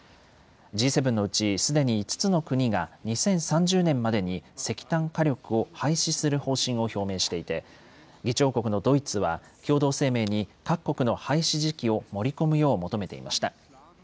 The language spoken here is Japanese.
Ｇ７のうち、すでに５つの国が２０３０年までに石炭火力を廃止する方針を表明していて、議長国のドイツは共同声明に各国の廃止時期を盛り込むよう求めていました。